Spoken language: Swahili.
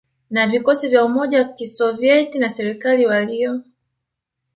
na vikosi vya umoja wa Kisoviet na serikali waliyo